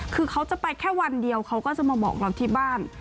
คือเขาจะไปแค่วันเดียวเขาก็จะมาบอกเราที่บ้าน